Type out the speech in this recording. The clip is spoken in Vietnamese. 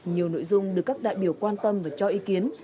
nhiều nội dung được các đại biểu quan tâm và cho ý kiến